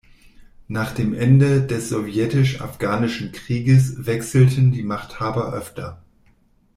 Nach dem Ende des sowjetisch-afghanischen Krieges wechselten die Machthaber öfter.